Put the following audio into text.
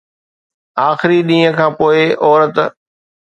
آخري ڏينهن کان پوء عورت